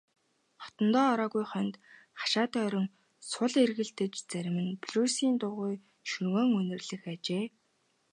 Хотондоо ороогүй хоньд хашаа тойрон сул эргэлдэж зарим нь белоруссын дугуй шөргөөн үнэрлэх ажээ.